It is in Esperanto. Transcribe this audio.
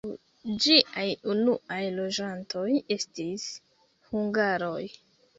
Ĝiaj unuaj loĝantoj estis hungaroj.